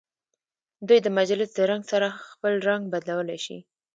دوی د مجلس د رنګ سره خپل رنګ بدلولی شي.